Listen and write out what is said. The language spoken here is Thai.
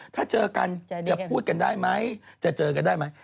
ถ้าเจอกันจะพูดกันได้ไหมจะเจอกันได้ไหม